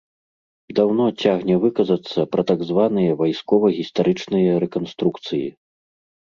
Даўно цягне выказацца пра так званыя вайскова-гістарычныя рэканструкцыі.